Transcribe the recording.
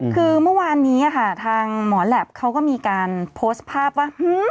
คือเมื่อวานนี้ค่ะทางหมอแหลปเขาก็มีการโพสต์ภาพว่า